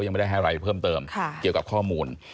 ยังไม่ได้ให้อะไรเพิ่มเติมเกี่ยวกับข้อมูล